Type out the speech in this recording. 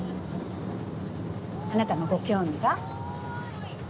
あなたもご興味が？